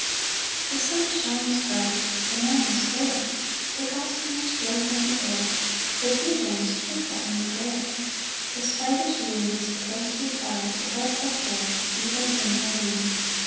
The sun shines bright, the morning's fair, The gossamers {233b}float on the air, The dew gems twinkle in the glare, The spider's loom Is closely plied, with artful care, Even in my room.